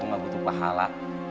aku gak butuh pahala